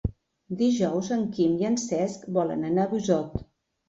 Dijous en Quim i en Cesc volen anar a Busot.